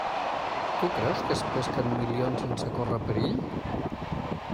Tu creus que es pesquen milions sense córrer perill?